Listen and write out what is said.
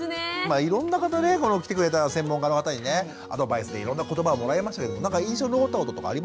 いろんな方ねこの来てくれた専門家の方にねアドバイスでいろんなことばをもらいましたけど何か印象に残ったこととかありますか？